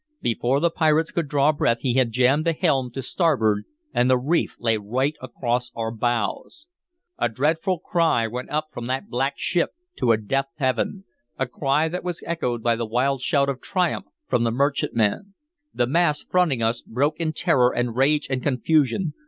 Before the pirates could draw breath he had jammed the helm to starboard, and the reef lay right across our bows. A dreadful cry went up from that black ship to a deaf Heaven, a cry that was echoed by a wild shout of triumph from the merchantman. The mass fronting us broke in terror and rage and confusion.